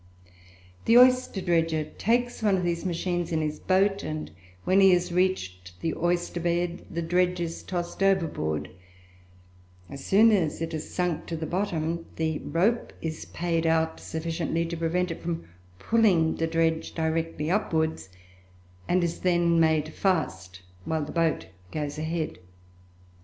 The oyster dredger takes one of these machines in his boat, and when he has reached the oyster bed the dredge is tossed overboard; as soon as it has sunk to the bottom the rope is paid out sufficiently to prevent it from pulling the dredge directly upwards, and is then made fast while the boat goes ahead.